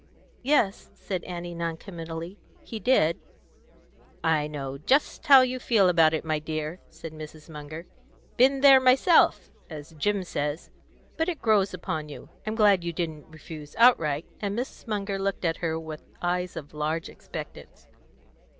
"Yes," said Annie non committally, "he did." "I know just how you feel about it, my dear," said Mrs. Munger. "'Been there myself,' as Jim says. But it grows upon you. I'm glad you didn't refuse outright;" and Mrs. Munger looked at her with eyes of large expectance.